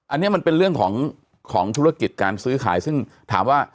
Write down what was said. อันนี้มันเป็นเรื่องของธุรกิจการซื้อขายซึ่งถามว่า